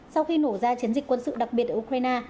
sau khi nổ ra chiến dịch quân sự đặc biệt ở ukraine